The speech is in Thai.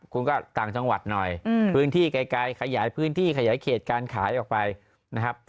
คุณก็ต่างจังหวัดหน่อยพื้นที่ไกลขยายพื้นที่ขยายเขตการขายออกไปนะครับ